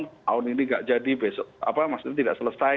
tahun ini tidak jadi besok apa maksudnya tidak selesai